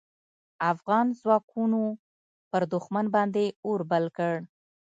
افغان ځواکونو پر دوښمن باندې اور بل کړ.